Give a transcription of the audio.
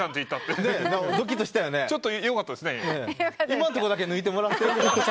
今のとこだけ抜いてもらっていいですか？